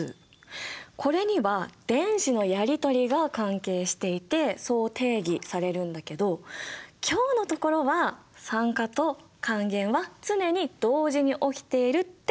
これには電子のやりとりが関係していてそう定義されるんだけど今日のところは酸化と還元は常に同時に起きているってことだけ覚えておいて。